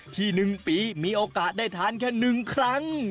ที่หนึ่งปีมีโอกาสได้ทานแค่หนึ่งครั้ง